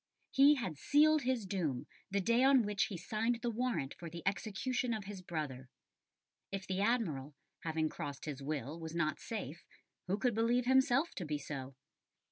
He "had sealed his doom the day on which he signed the warrant for the execution of his brother." If the Admiral, having crossed his will, was not safe, who could believe himself to be so?